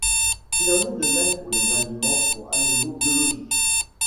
Il en est de même pour les aliments pour animaux biologiques.